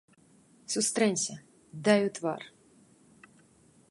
Сустрэнься, дай у твар.